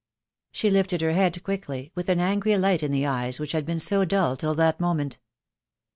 She lifted her head quickly, with an angry light in the eyes which had been so dull till that moment.